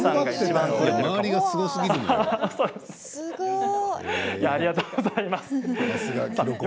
周りがすごすぎるのよ。